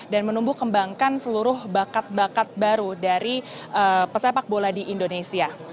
dan menumbuh kembangkan seluruh bakat bakat baru dari pesepak bola di indonesia